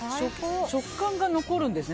食感が残るんですね。